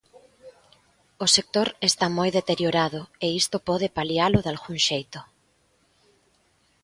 O sector está moi deteriorado e isto pode palialo dalgún xeito.